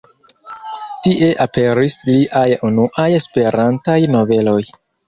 Tie aperis liaj unuaj Esperantaj noveloj.